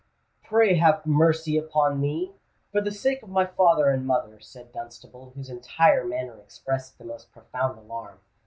"Pray have mercy upon me—for the sake of my father and mother!" said Dunstable, whose entire manner expressed the most profound alarm.